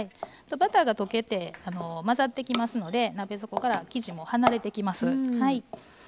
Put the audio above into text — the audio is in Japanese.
バターが溶けて混ざってきますので鍋底から生地も離れてきます。